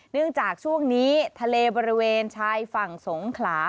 เนื่องจากช่วงนี้ทะเลบริเวณชายฝั่งสงขลา